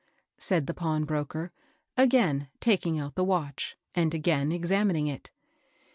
said the pawnbroker, again taking out the watch, and again examining it.